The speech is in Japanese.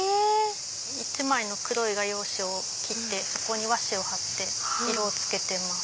１枚の黒い画用紙を切ってそこに和紙を貼って色をつけてます。